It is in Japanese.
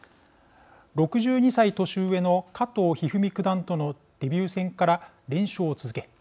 ６２歳年上の加藤一二三九段とのデビュー戦から連勝を続け